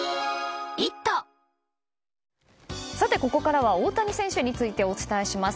ここからは大谷選手についてお伝えします。